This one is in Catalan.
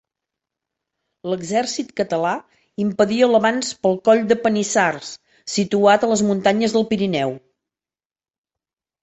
L'exèrcit català impedia l'avanç pel Coll de Panissars, situat a les muntanyes del Pirineu.